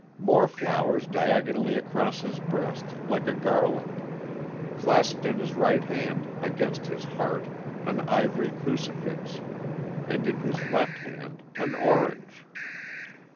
More flowers diagonally across his breast, like a garland. Clasped in his right hand, against his heart, an ivory crucifix, and in his left hand an orange.